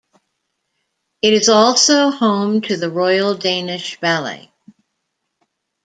It is also home to the Royal Danish Ballet.